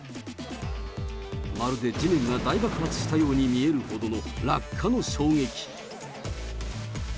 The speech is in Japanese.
まるで地面が大爆発したように見えるほどの落下の衝撃。